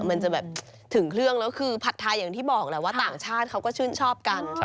มันจะแบบถึงเครื่องแล้วคือผัดไทยอย่างที่บอกแหละว่าต่างชาติเขาก็ชื่นชอบกัน